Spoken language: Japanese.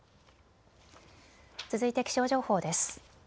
続いて気象情報です。